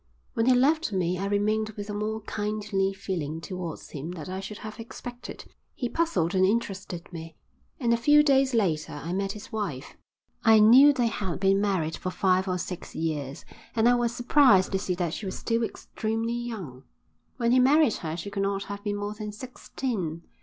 When he left me I remained with a more kindly feeling towards him than I should have expected. He puzzled and interested me. And a few days later I met his wife. I knew they had been married for five or six years, and I was surprised to see that she was still extremely young. When he married her she could not have been more than sixteen.